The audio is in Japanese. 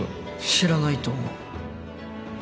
知らないと思う